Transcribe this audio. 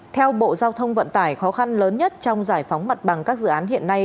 theo bộ giao thông vận tải khó khăn lớn nhất trong giải phóng mặt bằng các dự án hiện nay